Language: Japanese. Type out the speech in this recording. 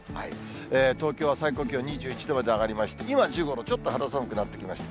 東京は最高気温２１度まで上がりまして、今１５度、ちょっと肌寒くなってきました。